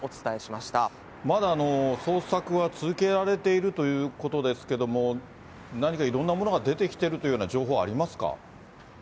まだ捜索は続けられているということですけれども、何かいろんなものが出てきてるというような情報はありますか。